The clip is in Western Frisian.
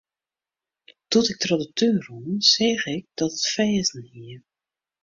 Doe't ik troch de tún rûn, seach ik dat it ferzen hie.